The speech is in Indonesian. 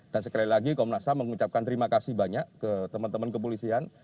dan sekali lagi komnas ham mengucapkan terima kasih banyak ke teman teman kepolisian